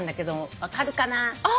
分かるかな？